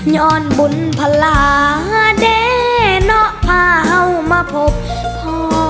ย้อนบุญพลาเด้เนาะพาวมาพบพ่อ